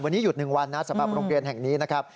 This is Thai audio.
วันนี้หยุด๑วันนะสำหรับโรงเรียนแห่งนี้นะครับ